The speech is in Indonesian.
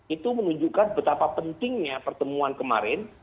itu menunjukkan betapa pentingnya pertemuan kemarin